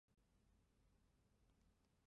昂古斯廷埃斯卡勒德新城。